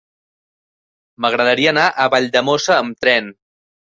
M'agradaria anar a Valldemossa amb tren.